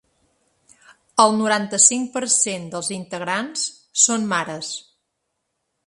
El noranta-cinc per cent dels integrants són mares.